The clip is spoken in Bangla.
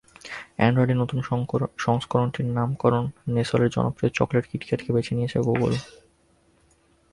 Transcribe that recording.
অ্যান্ড্রয়েডের নতুন সংস্করণটির নামকরণে নেসলের জনপ্রিয় চকলেট কিটক্যাটকে বেছে নিয়েছে গুগল।